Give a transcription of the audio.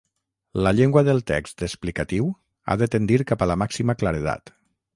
La llengua del text explicatiu ha de tendir cap a la màxima claredat.